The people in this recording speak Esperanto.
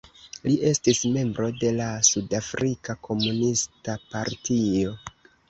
Li estis membro de la Sudafrika Komunista Partio.